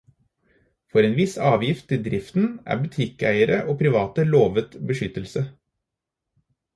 For en viss avgift til driften er butikkeiere og private lovet beskyttelse.